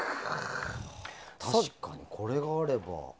確かにこれがあれば。